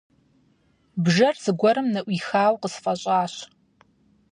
Бжэр зыгуэрым ныӀуихауэ къысфӀэщӀащ.